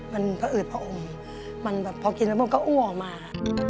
มันพออืดพออุ่มมันแบบพอกินแล้วก็อ้วงออกมาค่ะ